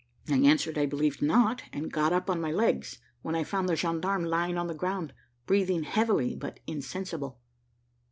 I answered I believed not, and got up on my legs, when I found the gendarme lying on the ground, breathing heavily, but insensible.